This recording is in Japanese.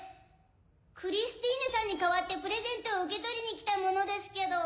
クリスティーヌさんに代わってプレゼントを受け取りに来た者ですけど。